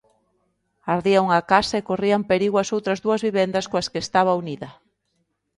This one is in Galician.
Ardía unha casa e corrían perigo as outras dúas vivendas coas que estaba unida.